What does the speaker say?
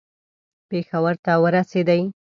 پېښور ته ورسېدی.